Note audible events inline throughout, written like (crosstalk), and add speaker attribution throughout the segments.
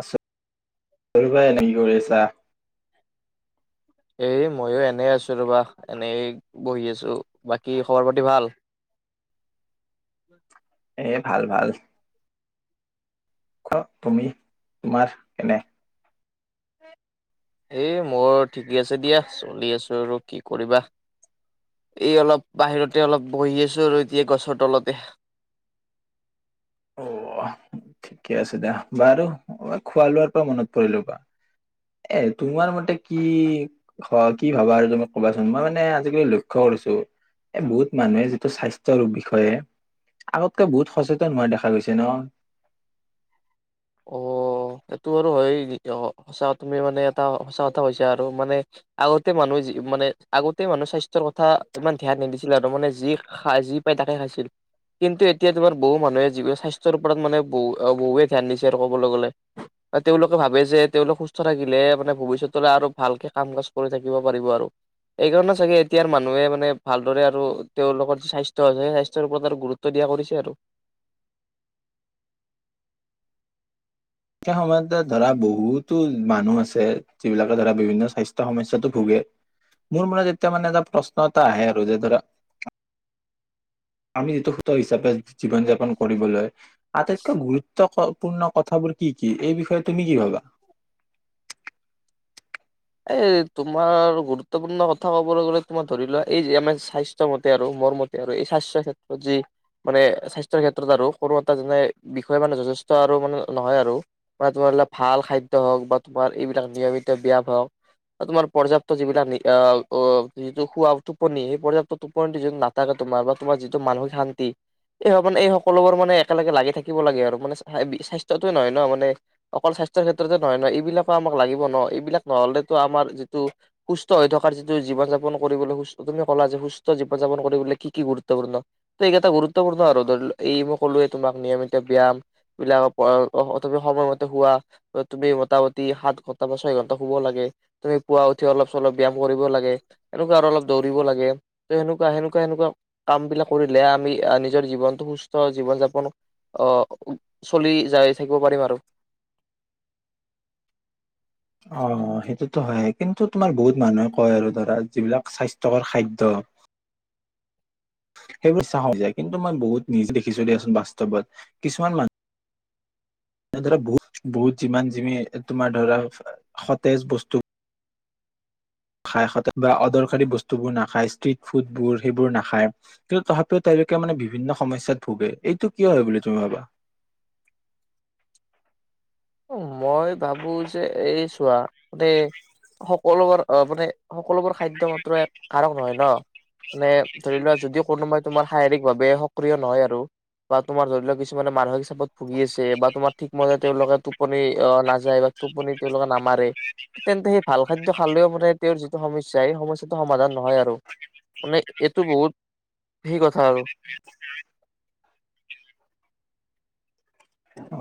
Speaker 1: আছো কৰিবাই এনে কি কৰি আছা
Speaker 2: এ ময়ো এনে আছো ৰবা এনেই বহি আছো বাকী খবৰ পাতি ভাল
Speaker 1: এ ভাল ভাল খোৱা তুমি তোমাৰ এনে
Speaker 2: এ মোৰ ঠিকেই আছে দিয়া চলি আছো আৰু কি কৰিবা এই অলপ বাহিৰতে অলপ বহি আছো আৰু এতিয়া গছৰ তলতে
Speaker 1: অ ঠিকে আছে দিয়া বাৰু খোৱা লোৱাৰ পৰা মনত পৰিলো বা এ তোমাৰ মতে কি হ কি ভাবা আৰু তুমি কবাচোন মই মানে আজিকালি লক্ষ্য কৰিছো এ বহুত মানুহে যিটো স্বাস্থ্যৰ বিষয়ে আগতকে বহুত সচেতন হোৱা দেখা গৈছে ন
Speaker 2: অ এইটো আৰু হয়ে অ সঁচা তুমি মানে এটা সঁচা কথা কৈছা আৰু মানে আগতে মানুহ মানে আগতে মানুহ স্বাস্থ্যৰ কথা ইমান ধ্যান নিদিছিল আৰু মানে যি খাই যি পায় তাকে খাইছিল কিন্তু এতিয়া তোমাৰ বহু মানুহে যিবোৰে স্বাস্থ্যৰ ওপৰত মানে বহু বহুৱে ধ্যান দি ছে কবলৈ গলে তেওঁলোকে ভাবে যে তেওঁলোক সুস্থ থাকিলে মানে ভৱিষ্যতলৈ আৰু ভালকে কাম কাজ কৰি থাকিব পাৰিব আৰু এইকাৰণে চাগে এতিয়াৰ মানুহে মানে ভালদৰে আৰু তেওঁলোকৰ যি স্বাস্থ্য আছে সেই স্বাস্থ্যৰ ওপৰত আৰু গুৰুত্ব দিয়া কৰিছে আৰু
Speaker 1: সে সময়তে ধৰা বহুতো মানুহ আছে যিবিলাকে ধৰা বিভিন্ন স্বাস্থ্য সমস্যাতো ভোগে মোৰ মনত এতিয়া মানে এটা প্ৰশ্ন এটা আহে আৰু যে ধৰা আমি যিটো সোত হিচাপে জীৱন যাপন কৰিবলৈ আটাইতকৈ গুৰুত্বপূৰ্ণ কথাবোৰ কি কি এই বিষয়ে তুমি কি ভাবা
Speaker 2: এই তোমাৰ গুৰুত্বপূৰ্ণ কথা ক'বলৈ গ'লে তোমাৰ ধৰি লোৱা এই যে আমাৰ স্বাস্থ্য মতে আৰু মোৰ মতে আৰু এই স্বাস্থ্যৰ ক্ষেত্ৰত যি মানে স্বাস্থ্যৰ ক্ষেত্ৰত আৰু কোনো এটা যেনে বিষয় মানে যথেষ্ট আৰু মানে নহয় আৰু মানে তোমাৰ ভাল খাদ্য হওঁক বা তোমাৰ এইবিলাক নিয়মিত ব্যায়াম হওঁক তোমাৰ পৰ্যাপ্ত যিবিলাক যিটো খোৱা টোপনি সেই পৰ্যাপ্ত টোপনিটো যি নাথাকে তোমাৰ বা তোমাৰ যিটো মানসিক শান্তি এই মানে এই সকলোবোৰ মানে একেলগে লাগি থাকিব লাগে আৰু মানে স্বাস্থ্যতোয়ে নহয় ন মান অকল স্বাস্থ্যৰ ক্ষেত্ৰতে নহয় ন এইবিলাকো আমাক লাগিব ন এইবিলাক নহ'লে আমাৰ যিটো সুস্থ হৈ থকাৰ যিটো জীৱন যাপন কৰিবলৈ, তুমি ক'লা যে সুস্থ জীৱন যাপন কৰিবলে কি কি গুৰুত্বপূৰ্ণ, ত এইকেইটা গুৰুত্বপূৰ্ণ আৰু ধৰি এই মই কলোৱে তোমাক নিয়মিত ব্যায়াম, বিলাক সময়মতে শোৱা, তুমি মোটামুটি সাত ঘন্টা বা ছয় ঘন্টা শুব লাগে। তুমি পুৱা উঠি অলপ চলপ ব্যায়াম কৰিব লাগে। এনেকুৱা আৰু অলপ দৌৰিব লাগে ত সেনেকুৱা সেনেকুৱা সেনেকুৱা কাম বিলাক কৰিলে আমি আহ নিজৰ জীৱনটো সুস্থ জীৱন যাপন আহ চলি যাই থাকিব পাৰিম আৰু।
Speaker 1: অ সেইটোতো হয়। কিন্তু তোমাৰ বহুত মানুহে কয় আৰু ধৰা যিবিলাক স্বাস্থ্যয়কৰ খাদ্য, সেইবোৰ চা হয় যে, কিন্তু মই বহুত নিজে দেখিছো দিয়াচোন বাস্তৱত কিছুমান মানুহ ধৰা বহুত বহুত যিমান যিমি তোমাৰ ধৰা সতেজ বস্তু। খাই স বা অদৰকাৰী বস্তুবোৰ নাখায়, ষ্ট্ৰিট ফুডবোৰ সেইবোৰ নাখায়, কিন্তু তথাপিও তেওঁলোকে মানে বিভিন্ন সমস্যাত ভোগে। এইটো কিয় হয় বুলি তুমি ভাবা?
Speaker 2: মই ভাবো যে এই চোৱা, (inaudible) সকলোবোৰ অ মানে সকলোবোৰ খাদ্য মাত্ৰ কাৰক নহয়। ন মানে ধৰি লোৱা যদি কোনোবাই তোমাৰ শাৰীৰিক ভাৱে সক্ৰিয় নহয় আৰু, বা তোমাৰ ধৰি লোৱা কিছুমানে মানসিক হিচাপত ভুগি আছে বা তোমাৰ ঠিক মতে, তেওঁলোকক ত টোপনি আহ নাযায় বা টোপনি তেওঁলোকে নামাৰে তেন্তে সেই ভাল খাদ্য খালেও মানে তেওঁৰ যিটো সমস্যা সেই সমস্যাটো সমাধান নহয় আৰু। মানে এইটো বহুত সেই কথা আৰু
Speaker 1: আছা (unintelligible) অ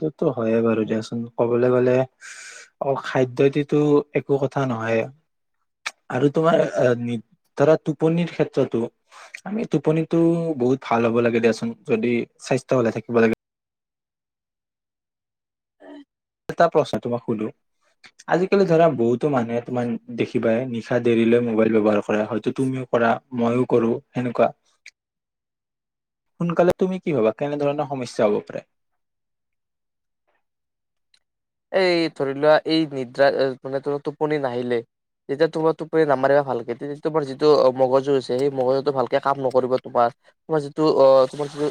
Speaker 1: সেইটো, টো হয়য়ে বাৰু দিয়াচোন। কবলৈ গলে অ খাদ্যটো একো কথা নহয় আৰু তোমাৰ ধৰা টোপনিৰ ক্ষেত্ৰতো আমি টোপনিতটো বহুত ভাল হব লাগে দিয়াচোন, যদি স্বাস্থ্য ভালে থাকিব লাগে। এটা প্ৰশ্ন তোমাক সুধো আজিকালি ধৰা বহুতো মানুহে তোমাৰ দেখিবাই নিশা দেৰিলৈ মোবাইল ব্যৱহাৰ কৰা হয়টো। হয়তো তুমিও কৰা মইও কৰো সেনেকুৱা। সোনকালে তুমি কি ভাবা কেনেধৰণৰ সমস্যা হব পাৰে?
Speaker 2: এই ধৰি লোৱা এই নিদ্ৰা মানে তোমাৰ টোপনি নাহিলে, যেতিয়া তোমাৰ টোপনি নামাৰিবা ভালকে তেতিয়া তোমাৰ যিটো মগজু আছে সেই মগজুটো ভালকে কাম নকৰিব তোমাৰ তোমাৰ যিটো অ তোমাৰ যিটো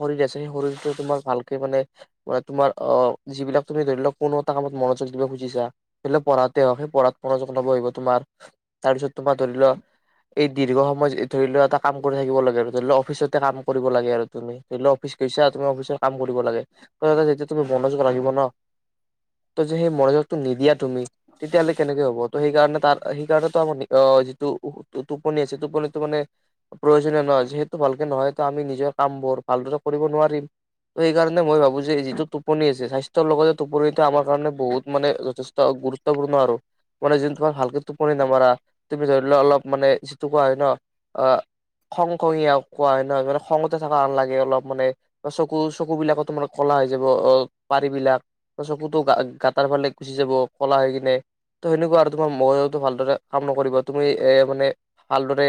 Speaker 2: শৰীৰ আছে সেই শৰীৰটো তোমাৰ ভালকে মানে ম তোমাৰ অ যিবিলাক তুমি ধৰি লও কোনো এটা কামত মনোযোগ দিব খুজিছা, ধৰি লওক পঢ়াতে হওঁক, সেই পঢ়াত মনোযোগ আহিব তোমাৰ, তাৰ পিছত তোমাৰ ধৰি লোৱা এই দীৰ্ঘ সময় ধৰি লোৱা এটা কাম কৰি থাকিব লাগে আৰু ধৰি ল অফিচতে কাম কৰিব লাগে আৰু তুমি, ধৰি লোৱা অফিচ গৈছা তুমি, অফিচত কাম কৰিব লাগে যেতিয়া তুমি মনোযোগ ৰাখিব ন ত যে সেই মনোযোগটো নিদিয়া তুমি তেতিয়াাহলে কেনেকে হ'ব। ত' সেই কাৰণে তাৰ সেইকাৰণো আমাৰ যিটো টোপনি আছে টোপনিটো মানে প্ৰয়োজনীয় নহয় সেইটো ভালকে নহয় ত আমি নিজৰ কাম বোৰ ভালদৰে কৰিব নোৱাৰিম। ত সেইকাৰণে মই ভাবো যে যিটো টোপনি আছে স্বাস্থ্যৰ লগত, টোপনিটো আমাৰ কাৰণে বহুত মানে যথেষ্ট গুৰুত্বপূৰ্ণ আৰু। মানে যোনটো তোমাৰ ভালকে টোপনি নামাৰা, তুমি ধৰি লোৱা অলপ মানে যিটো কোৱা হয় ন অ খং খঙীয়া কোৱা হয় ন, মানে খংতে থকা আন লাগে অলপ মানে চকু চকু বিলাকত তোম কলা হৈ যাব অ পাৰিবিলাক। চকুতটো গতাৰ ফালে গুচি যাব কলা হৈ কিনে ত সেনেকুৱা আৰু তোমাৰ মো ভালদৰে কাম নকৰিব। তুমি এ মানে ভালদৰে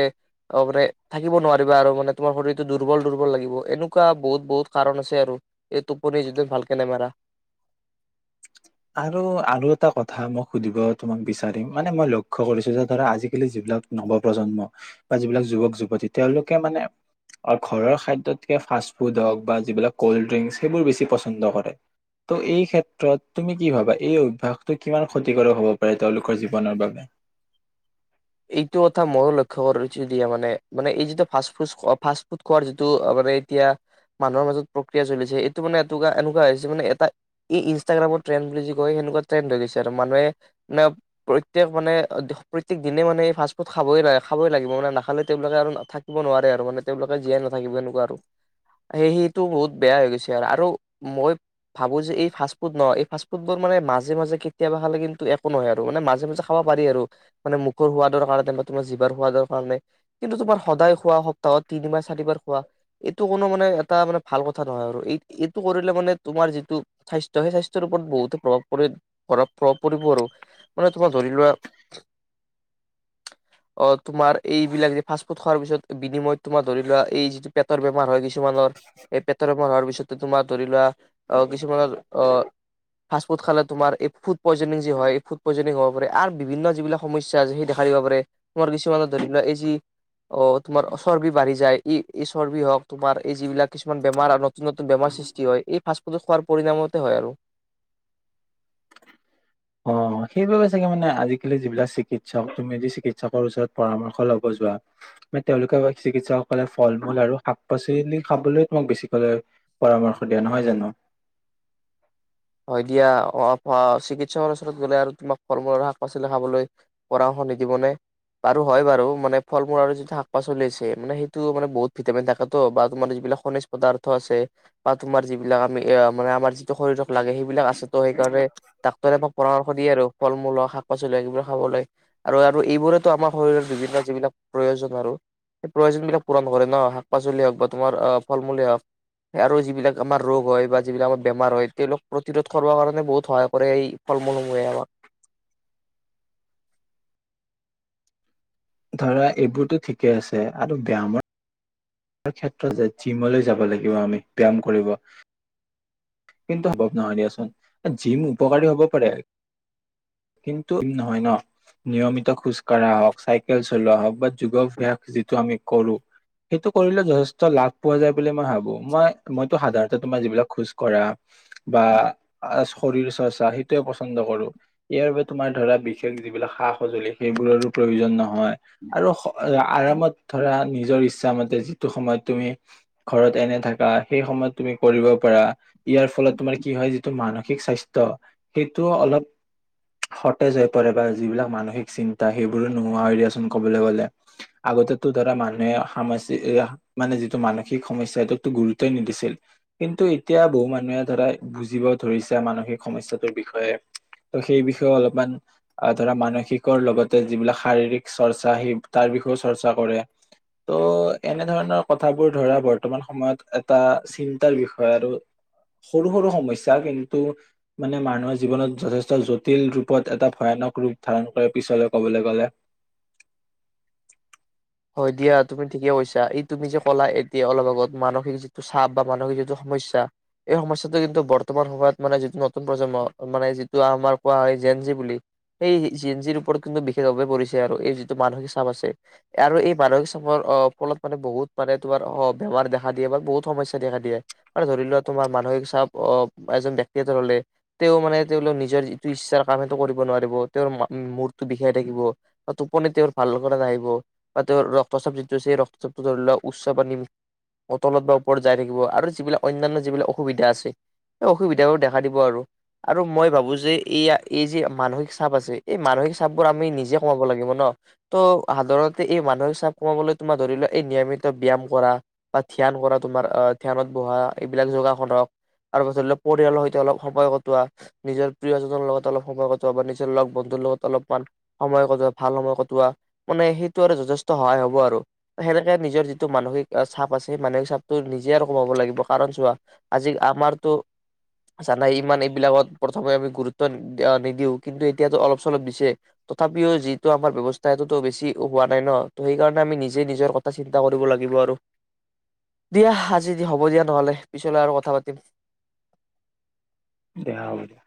Speaker 2: মানে থাকিব নোৱাৰিবা। আৰু মানে তোমাৰ শৰীৰতটো দুৰ্বল দুৰ্বল লাগিব এনেকুৱা বহুত বহুত কাৰণ আছে আৰু এই টোপনি যদি ভালকে নেমাৰা।
Speaker 1: আৰু আৰু এটা কথা মই সুধিব তোমাক বিচাৰিম মানে মই লক্ষ্য কৰিছো যে ধৰা আজিকালি যিবিলাক নৱ প্ৰজন্ম বা যিবিলাক যুৱক যুৱতী তেওঁলোকে মানে ঘৰৰ খাদ্যতকে ফাষ্ট ফুড হওক বা যিবিলাক কল্ড ড্ৰিংক সেইবোৰ বেছি পচন্দ কৰে। ত' এই ক্ষেত্ৰত তুমি কি ভাবা এই অভ্যাসটো কিমান ক্ষতিকাৰক হব পাৰে তেওঁলোকৰ জীৱনৰ বাবে,
Speaker 2: এইটো কথা ময়ো লক্ষ্য কৰি দিয়া মানে মানে, এই যিটো ফাষ্ট ফুড ফা ফুড খোৱাৰ যিটো মানে এতিয়া মানুহৰ মাজত প্ৰক্ৰিয়া চলিছে এইটো মানে এ এনেকুৱা হৈছে মানে এটা ইনষ্টাগ্ৰামৰ ট্ৰেণ্ড বুলি যে কয়, সেনেকুৱা ট্ৰেণ্ড হৈ গৈছে আৰু মানুহে মানে প্ৰত্যেক মানে প্ৰত্যক দিনে মানে ফাষ্টফুড খাব লাগে খাবই লাগিব মানে নাখালে তেওঁলোকে আৰু থাকিব নোৱাৰে আৰু মানে তেওঁলোকে জীয়াই নাথাকিব এনেকুৱা আৰু সেই সেইটো বহুত বেয়া হৈ গৈছে আৰু মই ভাবো যে এই ফাষ্টফুড নহ এই ফাষ্টফুডবোৰ মানে মাজে মাজে কেতিয়াবা খালে কিন্তু একো নহয় আৰু মানে মাজে মাজে খাব পাৰি আৰু। মোখৰ সোৱাদৰ কাৰণে বা তোমাৰ জিৱাৰ সোৱাদৰ কাৰণে, কিন্তু তোমাৰ সদায় খোৱা সপ্তাহত তিনিবাৰ চাৰিবাৰ খোৱা, এইটো কোনো মানে এটা মানে ভাল কথা নহয় আৰু এই এইটো কৰিলে মানে তোমাৰ যিটো স্বাস্থ্য সেই স্বাস্থ্যৰ ওপৰত বহুতে প্ৰভাৱ পৰি প্ৰভাৱ প্ৰভাৱ পৰিব আৰু। মানে তোমাৰ ধৰি লোৱা অ তোমাৰ এইবিলাক যে ফাষ্ট ফুড খোৱাৰ পিছত বিনিময়ত তোমাৰ ধৰি লোৱা এই যিটো পেটৰ বেমাৰ হয় গৈ, কিছুমানৰ এই পেটৰ বেমাৰ পিছত, তুমাৰ ধৰি লোৱা অ কিছুমানৰ অ ফাষ্ট ফুড খালে তোমাৰ এই ফুড পইজনিং যি হয়, ফুড পইজনিং হ'ব পাৰে আৰু বিভিন্ন যিবিলাক, সমস্যা যে সি দেখা দিব পাৰে। তোমাৰ কিছুমানে ধৰি লোৱা এই যি আহ তোমাৰ চৰ্বি বাঢ়ি যায় ই এই চৰ্বি হওক তোমাৰ এই যিবিলাক কিছুমান বেমাৰ আৰু নতুন নতুন বেমাৰ সৃষ্টি হয়। এই ফাষ্টফুড খোৱাৰ পৰিণামতে হয় আৰু।
Speaker 1: অ সেইবাবে চাগে মানে আজিকালি যিবিলাক চিকিৎসক তুমি যদি চিকিৎসকৰ ওচৰত পৰামৰ্শ লব যোৱা। ম‌ই তেওঁলোকে চিকিৎসক লে ফল মূল আৰু শাক, শাক পাচলি খাবলৈ তোমাক বেছিকলে পৰামৰ্শ দিয়ে নহয় জানো।
Speaker 2: হয় দিয়া অ চিকিৎসকৰ ওচৰত গ'লে আৰু তোমাক ফল মূল আৰু শাক পাচলি খাবলৈ পৰামৰ্শ নিদিব নে, বাৰু হয় বাৰু মানে ফল মূল আৰু যিটো শাক পাচলি আছে মানে সেইটো মানে বহুত ভিটামিন থাকেতো বা তোমাৰ যিবিলাক খণিজ পদাৰ্থ আছে বা তোমাৰ যিবিলাক আমি মানে আমাৰ যিটো শৰীৰ, লাগে সেইবিলাক আছে তো সেইকাৰণে ডাক্তৰে আমাক পৰামৰ্শ দিয়ে আৰু ফল মূল হওঁক শাক পাচলি হওক এইবিলাক খাবলৈ আৰু এইবোৰেতো আমাৰ শৰীৰৰ বিভিন্ন যিবিলাক প্ৰয়োজন আৰু, সেই প্ৰয়োজনবিলাক পূৰণ কৰে ন শাক পাচলি হওক বা তোমাৰ ফল মূলেই হওঁক। আৰু যিবিলাক আমাৰ ৰোগ হয় বা যিবিলাক আমাৰ বেমাৰ হয় তেওঁলোক, প্ৰতিৰোধ কৰিব কাৰণে বহুত সহায় কৰে এই ফল মূল সমূহে আৰু।
Speaker 1: ধৰা এইবোৰতো ঠিকেই আছে আৰু ব্যামৰ ক্ষেত্ৰত যে জিমলৈ যাব লাগিব আমি ব্যায়াম কৰিব। কিন্তু হ নহয় দিয়াচোন। যিম উপকাৰী হ'ব পাৰে কিন্তু নহয় ন, নিয়মিত খোজ কঢ়া হওক চাইকেল চলোৱা হওঁক বা যোগাভ্যাস যিটো আমি কৰো, সেইটো কৰিলে যথেষ্ট লাভ পোৱা যায় বুলি মই ভাবো। মই মইতো সাধাৰণতে তোমাৰ যিবিলাক খোজ কঢ়া বা শৰীৰ চৰ্চা সেইটোয়ে পছন্দ কৰো ইয়াৰ বাবে তোমাৰ ধৰা বিশেষ যিবিলাক সা সজুলি সেইবোৰৰো প্ৰয়োজন নহয়। হয় আৰু আৰামত ধৰা নি ইচ্ছা মতে, যিটো সময়ত তুমি ঘৰত এনে থাকা সেই সময়ত তুমি কৰিব পাৰা। ইয়াৰ ফলত তোমাৰ কি হয় যিটো মানুহ ঠিক স্বাস্থ্য সেইটো অলপ সতেজ হৈ পৰে বা যিবিলাক মানসিক চিন্তা সেইবোৰো নোহোৱা হৈ দিয়াচোন ক'বলৈ গলে আগতে ধৰা মানুহে সামাজিক মানে যিটো মানসিক সমস্যা সেইটোকো গুৰুত্বই নিদিছিল কিন্তু এতিয়া বহু মানুহে ধৰা বুজিব ধৰিছে মানসিক সমস্যাটোৰ বিষয়ে ত' সেই বিষয়ে অলপমান ধৰা মানসিকৰ লগতে যিবিলাক শাৰীৰিক চৰ্চা সেই তাৰ বিষয়েও চৰ্চা কৰে। ত' এনেধৰণৰ কথাবোৰ ধৰা বৰ্তমান সময়ত এটা চিন্তাৰ বিষয় আৰু সৰু সৰু সমস্যা কিন্তু মানে মানুহৰ জীৱনত যথেষ্ট জটিল ৰূপত এটা ভয়ানক ৰূপ ধাৰণ কৰে পিছলৈ কবলৈ গ'লে
Speaker 2: হয় দিয়া তুমি ঠিকে কৈছা ই তুমি যে কলা এতিয়া অলপ আগত মানসিক যিটো চাপ বা মানসিক যিটো সমস্যা এই সমস্যাটো কিন্তু বৰ্তমান সময়ত মানে যিটো নতুন প্ৰজন্ম মানে যিটো আমাৰ কোৱা হয় জেন জি বুলি সেই জেন জিৰ ওপৰত কিন্তু বিশেষভাৱে পৰিছে আৰু এই যিটো মানসিক চাপ আছে। আৰু এই মানসিক চাপৰ অ ফলত মানে বহুত মানে তোমাৰ বেমাৰ দেখা দিয়ে বা বহুত সমস্যা দেখা দিয়ে আৰু ধৰি লোৱা তোমাৰ মানসিক চাপ আহ এজন ব্যক্তি এ হলে তেওঁ মানে তেওঁলোক নিজৰ যিটো ইচ্ছাৰ কাম সেইটো কৰিব নোৱাৰিব তেওঁৰ মূৰটো বিষাই থাকিব টোপনি তেওঁৰ ভাল নাহিব। বা তেওঁ ৰক্তচাপ যিটো আছে ৰক্তচাপটো ধৰি লওক উচ্চ পানী অটলত বা ওপৰত যাই থাকিব আৰু যিবিলাক অন্যান্য যিবিলাক অসুবিধা আছে সেই অসুবিধাবোৰ দেখা দিব আৰু আৰু মই ভাবো যে এইয়া এই যি মানসিক চাপ আছে এই মানসিক চাপ বোৰ আমি নিজে কমাব লাগিব। ন ত' সাধাৰণ এই মানসিক চাপ কমাবলৈ তোমাৰ ধৰি লোৱা এই নিয়মিত ব্যায়াম কৰা বা ধ্যান কৰা তোমাৰ আহ ধ্যানত বহা এইবিলাক যোগাসন হক আৰু ধৰি লোৱা পৰিয়ালৰ সৈতে অলপ সময় কটোৱা নিজৰ প্ৰিয়জনৰ লগত অলপ সময় কটোৱা বা নিজৰ লগ বন্ধুৰ লগত অলপমান সময় কটোৱা ভাল সময় কটোৱা মানে সেই আৰু যথেষ্ট সহায় হ'ব আৰু সেনেকে নিজৰ যিটো মানসিক চাপ আছে সেই মানসিক চাপটো নিজে আৰু কমাব লাগিব কাৰণ চোৱা আজি আমাৰতো জানাই ইমান এইবিলাকত প্ৰথমে আমি গুৰুত্ব নিদিও কিন্তু এতিয়াতো অলপ চলপ দিছে তথাপিও যিটো আমাৰ ব্যৱস্থা সেইটোতো বেছি। হোৱা নাই ন ত সেইকাৰণে আমি নিজে নিজৰ কথা চিন্তা কৰিব লাগিব আৰু দিয়া আজি হব দিয়া। নহলে পিছলে আৰু কথা পাতিম।
Speaker 1: দিয়া হ'ব দিয়া